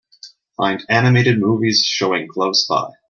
Find animated movies showing close by.